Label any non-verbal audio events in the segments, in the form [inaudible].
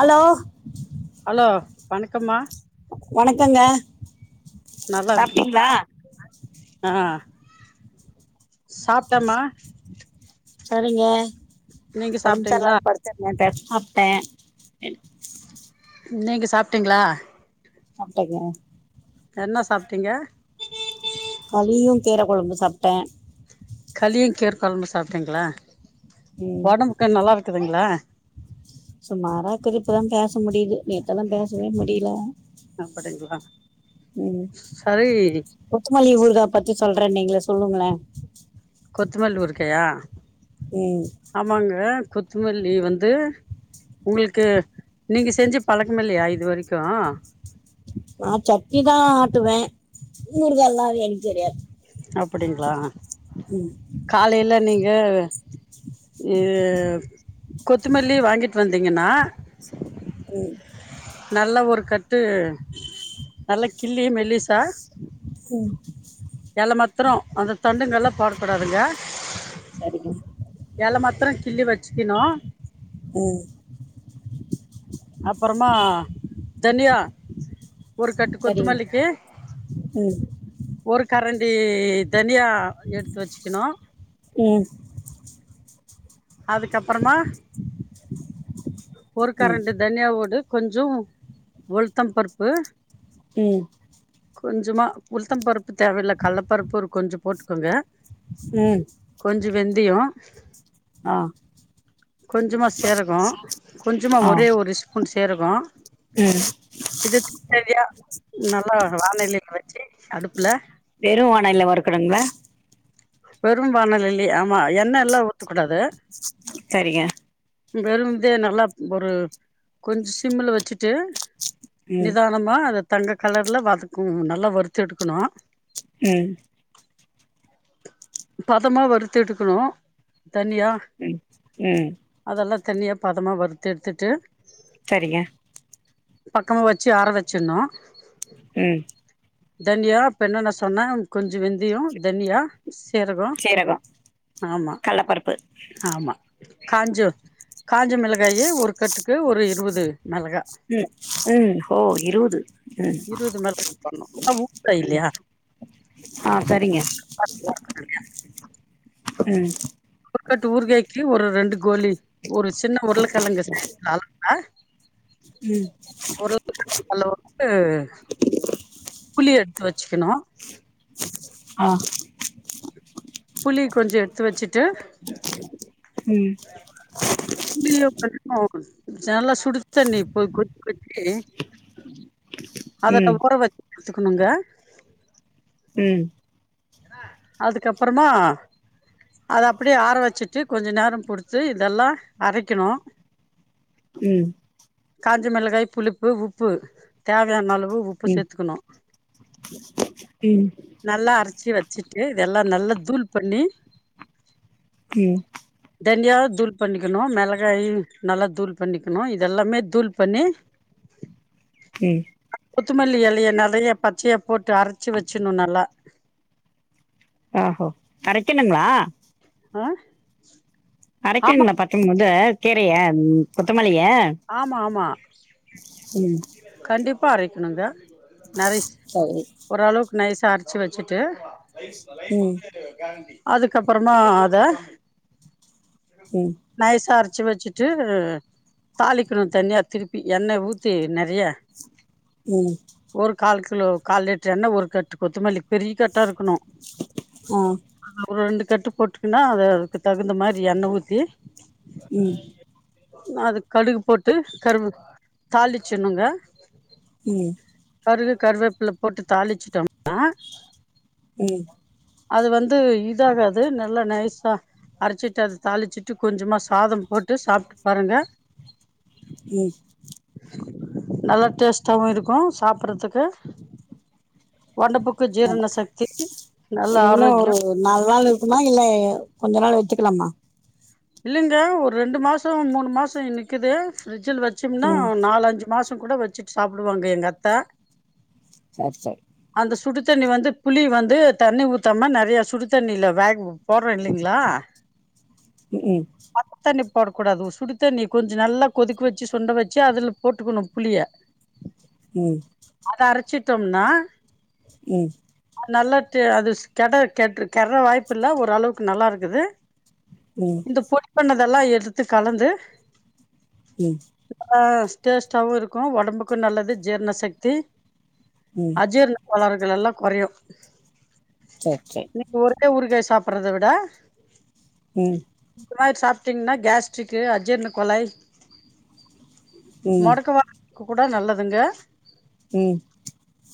Allow hello வணக்கம்மா வணக்கங்க நல்லா இருக்குதுங்களா சாப்டீங்களா ஆ சாப்ட்டமா சரிங்க நீங்க ஒடம்புச் சாப்ட்டீங்களா சல்லான் படு [unintelligible] சாப்ட்டே நீங்க சாப்டீங்களா சாப்டேங்க என்ன சாப்டீங்க களியு கீர கொழம்பு சாப்ட்டே களியு கீர குழம்பு சாப்ட்டீங்களா ம் ஒடம்புக்கு நல்லா இருக்குதுங்களா சும்மாரா திருப்பலலா பேச முடியுது நேத்தெல்லா பேசவே முடியல அப்டிங்களா கொத்தமல்லி ஊருகா பத்தி சொல்றேனீங்கள சொல்லுங்களே கொத்தமல்லு ஊருகாயா ம் ஆமாங்க கொத்தமல்லி வந்து உங்களுக்கு நீங்க செஞ்சு பழக்கமில்லயா இது வரைக்கு நா சட்னி தா ஆட்டுவே ஊருகாலா வைக்க தெரியாது அப்படிங்களா ம் காலையில நீங்க எ கொத்தமல்லி வாங்கிட்டு வந்தீங்கன்னா ம் நல்ல ஒரு கட்டு நல்லா கிள்ளி மெல்லிசா ம் எல மத்துரோ அந்த தண்டுங்கள்லா போடக் கூடாதுங்க சரிங்க சரிங்க எல மாத்துரோ கிள்ளி வச்சுக்கணு ம் அப்பறமா தனியா ஒரு கட்டு சரிங்க கொத்தமல்லிக்கு ம் ஒரு கரண்டி தனியா எடுத்து வச்சுக்கணு ம் அதுக்கப்புறமா ஒரு ம் கரண்டி தனியாவோடு கொஞ்சோ உளுத்தம் பருப்பு ம் கொஞ்சமா உளுத்தம் பருப்பு தேவயில்ல கள்ள பருப்பு ஒரு கொஞ்சோ போட்டுக்கோங்க ஸ்னேச் கொஞ்சோ வெந்தயோ ஆ கொஞ்சமா சீரகோ கொஞ்சமா ஆ ஒரே ஒரு ஸ்பூன் சீரகோ ம் இது சரியா நல்லா வாணலில வெச்சு அடுப்புல வெறு வாணல்ல வருகணுங்களா வெறு வாணலிலயே ஆமா எண்ணலா ஊத்தக்கூடாது சரிங்க வெறு இதே நல்லா ஒரு கொஞ்ச் சிம்ல வெச்சுட்டு ம் நிதானமா அத தங்க கலர்ல வதக்கனோ நல்லா வறுத்து எடுக்கணு ம் பதமா வறுத்தெடுக்கணு தனியா ம் ம் அதெல்லா தனியா பதமா வறுத்தெடுத்துட்டு செரிங்க பக்கமா வெச்சு ஆற வச்சிடணு ம் தன்யா இப்ப என்னன்ன சொன்னே கொஞ்சோ வென்ந்தியோ தனியா சீரகோ சீரகோ ஆமா கல்லப்பருப்பு ஆமா காஞ்சூர் காஞ்ச மிளகாயி ஒரு கட்டுக்கு ஒரு இருவது மிளகா ம் ம் ஓ இருவது ம் இருவது மண்ணேரம் பண்ணோ அது ஊர்கா ம் இல்லயா ஆ செரிங்க ம் ஒருக்கட்டு ஊர்காய்க்கு ஒரு ரெண்டு கோலி ஒரு சின்ன உருளைக்கிழங்கு சைஸ்ல நாளா அ ம் உருலகிழங்கு அளவுக்கு புளி எடுத்து வச்சுக்கணு அ புளி கொஞ்சோ எடுத்து வச்சுட்டு ம் உள்ள [unintelligible] நல்லா சுடு தண்ணி போய் கொதிக்க வச்சு அதலா ம் ஊற வச்சி எத்துக்கணுங்க ம் அதுக்கப்பறமா அத அப்டியே ஆற வச்சுட்டு கொஞ்சோ நேர பொருத்து இதெல்லா அரைக்கணு ம் காஞ்ச மெளகாய் புளிப்பு உப்பு தேவையான அளவ் உ உப்பு சேத்துக்கணு ம் நல்லா அரச்சு வச்சுட்டு இதெல்லா நல்லா தூள் பண்ணி ம் தண்யா தூள் பண்ணிக்கணு மிளகாயு நல்லா தூள் பண்ணிக்கணு இதெல்லாமே தூள் பண்ணி ம் குத்துமல்லி எலைய நறைய பச்சையா போட்டு அரச்சு வச்சுணு நல்லா ஆஹோ கரைக்கணுங்ளா அ அரைக்கனுங்ளா பச்ச மொத கீரைய கொத்தமல்லிய ஆமா ஆமா ம் கண்டிப்பா அரைக்கணுங்க நறீஸ் சரி ஓரளவுக்கு நைஸா அரச்சு வெச்சுட்டு ம் அதுக்கப்றமா அத ம் நைசா அரச்சு வெச்சுட்டு அ தாளிக்கணோ தன்யா திருப்பி எண்ணெ ஊத்தி நெறையா ம் ஒரு கால் கிலோ கால் லிட்ரு எண்ண ஒரு கட்டு் கொத்தமல்லி பெரிய கட்டா இருக்கணோ ஆ அ ஒரு ரெண்டு கட்டு போட்டோன்னா வேர் அதுக்கு தகுந்த மாரி எண்ண ஊத்தி ம் அது கடுகு போட்டு கருவு தாளிச்சிட்னுங்க ம் கருகு கருவேப்பில போட்டு தாளிச்சுட்டோம்னா ம் அது வந்து இதாகாது நல்லா நைஸா அரச்சிட்டு அத தாளிச்சுட்டு கொஞ்சமா ஸாதம் போட்டு சாப்ட்டு பாருங்க ம் நல்லா டேஸ்டாவு இருக்கோ சாப்புறதுக்கு ஒடம்புக்கு ஜீரண ஆமா சக்திக்கு நல்லா ஆரோக்யோ இது நால் நாள் இருக்குமா இல்ல கொஞ்சோ நாள் வெச்சுக்கலாமா இல்லைங்க ஒரு ரெண்டு மாசோ மூணு மாசோ இனிக்குது ஃப்ரிட்ஜுல வெச்சோம்னா ம் நால் லஞ்சு மாசோ கூட வெச்சிட் சாப்டுவாங்க எங்க அத்த செரி செரி அந்த சுடு தண்ணி வந்து புளி வந்து தண்ணி ஊத்தாம நறைய சுடு தண்ணீல வேங் போடுறோ இல்லைங்ளா ம் பச்ச தண்ணி போடக்கூடாது சுடு தண்ணி கொஞ்சோ நல்லா கொதிக்க வெச்சி சுண்ட வெச்சி அதுல போட்டுக்கணோ புளிய ம் அத அரச்சிட்டோம்னா ம் நல்லா து அது கெட கெட்ர் கெர்ர வாய்ப்பு இல்ல ஓரளவுக்கு நல்லா இருக்குது ம் இந்த பொடி பண்ணதெல்லா எடுத்து கலந்து ம் அ டேஸ்டாவு இருக்கோ ஒடம்புக்கோ நல்லது ஜீர்ண சக்தி ம் அஜீர்ண கோளாறுகள் எல்லா கொறையு செர் சேரி இப்ப ஒறுக்க ஊறுகாய் சாப்பிடறத விட ம் இந்த மாறி சாப்பிட்டீங்கன்னா கேஸ்ட்ரிக்கு அஜீர்ண கோலை ம் மொடக்கு வாதத்துக்கு கூட நல்லதுங்க ம்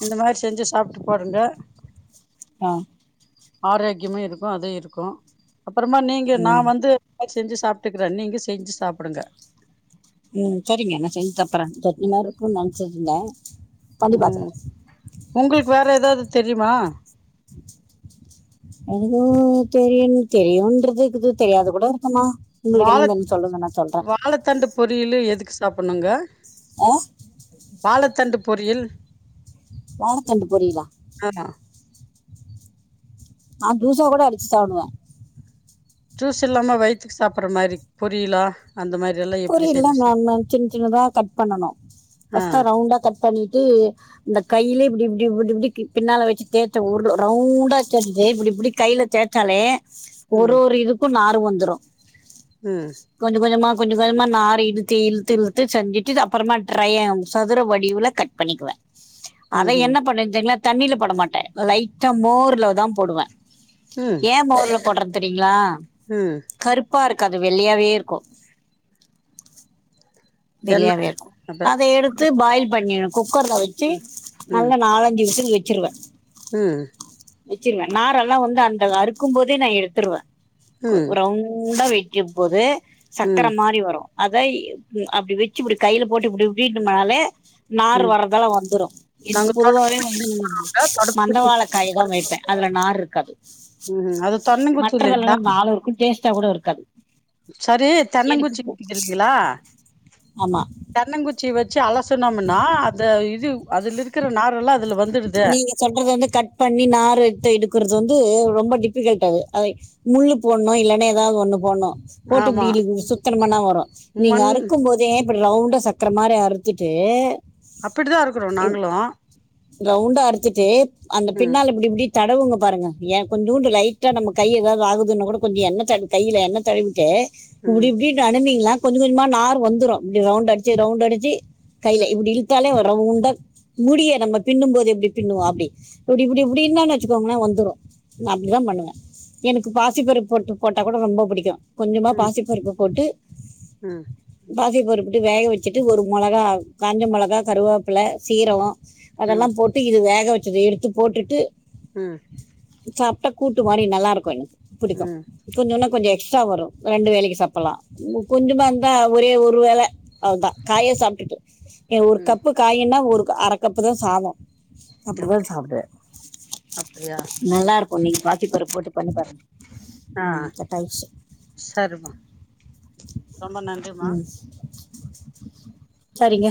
இந்த மாரி செஞ்சு சாப்ட்டு பாருங்க ஆ ஆரோக்கியமா இருக்கு அது இருக்கு அப்புறமா நீங்க நா ம் வந்து செஞ்சு சாப்ட்டுக்குறே நீங்க செஞ்சு சாப்புடுங்க ம் செரிங்க நா செஞ்சு சாப்பறே சட்னி மாரி இருக்குன் நெனச்சுட்டுருந்தே ம் உங்குளுக் வேற எதாது தெரியுமா எதோ தெரியு தெரியுன்றது இக்குது தெரியாது கூட இருக்குன்னா வாழ வாழத்தண்டு பொரியலு எதுக்கு சாப்பட்ணுங்க அ வாழத்தண்டு பொரியில் வாழத்தண்டு பொரியலா ஆமா நா ஜூசா கூட அடிச்சு சாப்டுவே ஜூஸ் இல்லாம வயித்துக்கு சாப்பட்றமாரி பொரியலா அந்தமாரி பொரியல்லா நாதா சின் சின்னதா கட் பண்ணனு ஆ ஃபஸ்ட்டா ரவுண்டா கட் பண்ணிட்டு இந்த கையிலே இப்டி இப்டி இப்டி இப்டி பின்னால வெச்சு தேச்சா உருளு ரவுண்டா தேச்சிட்டு இப்டி இப்டி கைல தேச் சாலே ஒரு ம் ஒரு இதுக்கு நார் வந்துரு ம் கொஞ்ச கொஞ்சமா கொஞ்ச கொஞ்சமா நார் இழுத்து இழுத்து இழுத்து செஞ்சுட்டு அப்புறமா ட்ரையா சதுர வடிவுல கட் பண்ணிக்குவே ம் அத ம் என்ன பண்னுவே தெரியுங்ளா தண்ணில போட மாட்டே லைட்டா மோர்லதா போடுவே ம் ஏ மோர்ல போட்ற தெரியுங்ளா ம் கருப்பா இருக்காது வெள்ளயாவே இருக்கு என்ன வெள்ளையாவே இருக்கு அப்ப அத எடுத்து பாயில் பண்ணிருவே குக்கர்ல வெச்சு ம் ம் நல்லா நாலஞ்சு விசில் வெச்சிருவே ம் வெச்சிருவே நாரெல்லா வந்து அந்த அறுக்கும்போதே நா எடுத்துருவே ம் ரவுண்டா வெட்ட போது சக்கர ம் மாரி வரு அத அப்டி வெச்சு இப்டி கைல போட்டு இப்டி இப்டிடுனாலே நார் ம் வர்றதலா வந்துரு இதுக்கு நாங்க ம் பொதுவாவே வந்து மந்த வாழ காய்தா வெப்பே அதுல நார் இருக் காட்டு அது தென்னங்குச்சி இல்லைங்களா மற்றதல்லாலா நாலு இருக்கு டேஸ்ட்டா கூட இருக்காது செரி எனக்கு தென்னங்குச்சி வித்துட்ருந்தீங்ளா ம தென்னங்குச்சி வெச்சு அலசுனோம்னா அத இது அதுல இருக்கிற நாரெல்லா இதுல வந்துருது நீ சொல்றது வந்து கட் பண்ணி நாறு எட்டு எடுக்கறது வந்து ரொம்ப டிஃபிகல்ட் அது அத முள்ளு போட்ண்ணு இல்லனா எதாது ஒன்னு போட்ணு போட்டு ஆமா இப்டி சுத்தனமனா வரு நீங்க மண் அறுக்கும்போது ன் இப்டி ரவுண்டா சக்கர மாரி அறுத்துட்டு அப்டிதா அறுக்குறோ நாங்களு ரவுண்டா அறுத்துட்டு அந்த ம் பின்னால இப்டி இப்டி தடவுங்க பாருங்க எ கொஞ்சுண்டு லைட்டா நம்ம கை எதாது ஆகுதுனாகூட கொஞ்சோ எண்ண தட கைல எண்ண தழுவிட்டு இப்டி ம் இப்டி அனுப்னீங்ளா கொஞ்ச கொஞ்சமா நார் வந்துரு இப்டி ரவுண்ட் அடிச்சு ரவுண்ட் அடிச்சு கைல ம் இப்டி இழுத்தாலே ஒ ரவுண்டா முடிய நம்ம பின்னும்போது எப்டி பின்னுவோ அப்டி இப்டி இப்டி இப்டி இருந்தான் வெச்சுக்கோங்ள வந்துரு நா அப்டிதா பண்ணுவே எனக்கு பாசிப்பருப்பு போட்டு போட்டா கூட ரொம்ப புடிக்கு கொஞ்சமா பாசிப்பருப்பு போட்டு ம் பாசி பருப்புட்டு வேக வெச்சுட்டு ஒரு மொளகா காஞ்ச மொளகா கருவேப்பில சீரவோ அதல்லா ம் போட்டு இது வேக வெச்சத எடுத்து போட்டுட்டு ம் சாப்ட்டா கூட்டு மாடி நல்லா இருக்கு எனக்கு புடிக்கு. ம் ம் கொஞ்சொன்னா கொஞ்சோ எக்ஸ்ட்ரா வரு ரெண்டு வேலைக்கு சாப்பட்லா. கொஞ்சமா இருந்தா ஒரே ஒரு வேல அவ்வுதா காயே சாப்ட்டுட்டு ஏ ஒரு ம் கப்பு காயின்னா ஒரு அர கப்பு தா சாதோ அப்பவே அப் சாப்புடு அப்டியா நல்லா இருக்கு நீங்க பாசிப்பருப்பு போட்டு பண்ணி பாருங்க ஆ ம் ஆயிடுச்சு செர்மா ரொம்ப நன்றிம்மா ம் சரிங்க